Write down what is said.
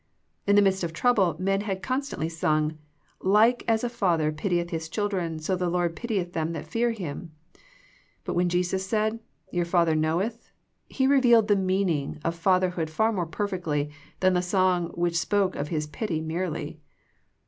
In the midst of trouble, men had constantly sung "Like as a father pitieth his children, so the Lord pitieth them that fear Him," but when Jesus said " Your Father know eth," He revealed the meaning of Fatherhood far more perfectly than the song which spoke of His pity merely.